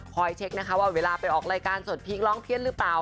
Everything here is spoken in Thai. เช็คนะคะว่าเวลาไปออกรายการสดพีคร้องเพี้ยนหรือเปล่า